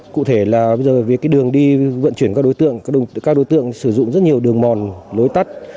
cụ thể là bây giờ việc cái đường đi vận chuyển các đối tượng các đối tượng sử dụng rất nhiều đường mòn nối tắt